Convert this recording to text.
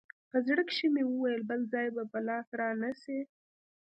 په زړه کښې مې وويل بل ځاى به په لاس را نه سې.